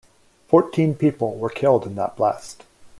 Fourteen people were killed in that blast.